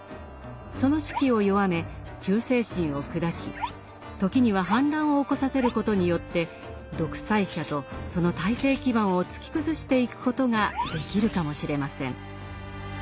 その士気を弱め忠誠心を砕き時には反乱を起こさせることによって独裁者とその体制基盤を突き崩していくことができるかもしれません。